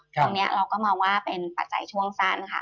ตรงนี้เราก็มองว่าเป็นปัจจัยช่วงสั้นค่ะ